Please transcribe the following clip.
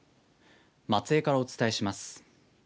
松江からお伝えします。